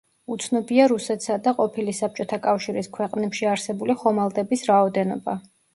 უცნობია რუსეთსა და ყოფილი საბჭოთა კავშირის ქვეყნებში არსებული ხომალდების რაოდენობა.